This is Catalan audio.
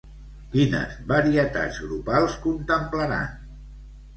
Quines varietats grupals contemplaran?